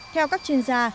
theo các chuyên gia